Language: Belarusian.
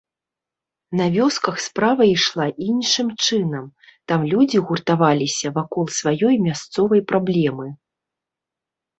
На вёсках справа ішла іншым чынам, там людзі гуртаваліся вакол сваёй мясцовай праблемы.